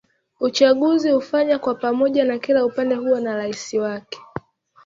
Uchaguzi hufanya kwa pamoja na kila upande huwa na raisi wake